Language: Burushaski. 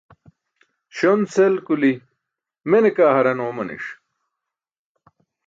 Śon-sel kuli̇ mene kaa haraṅ oomani̇ṣ.